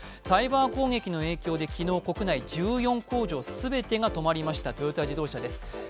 サイバー攻撃の影響で、昨日国内１４工場全てが止まりましたトヨタ自動車です。